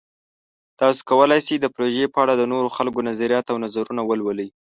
تاسو کولی شئ د پروژې په اړه د نورو خلکو نظریات او نظرونه ولولئ.